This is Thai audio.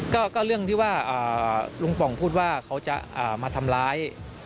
ก็เรื่องที่ว่าลุงป่องพูดว่าเขาจะมาทำร้าย